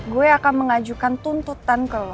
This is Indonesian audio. gue akan mengajukan tuntutan ke